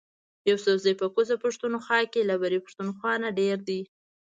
یوسفزي په کوزه پښتونخوا کی له برۍ پښتونخوا نه ډیر دي